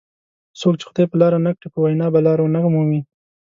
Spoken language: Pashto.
څوک چې خدای په لار نه کړي په وینا به لار ونه مومي.